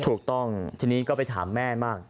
ถูกต้องทีนี้ก็ไปถามแม่บ้าง